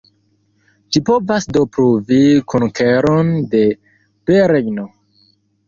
Ĝi povas do pruvi konkeron de Barejno.